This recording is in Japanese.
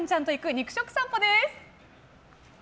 肉食さんぽです。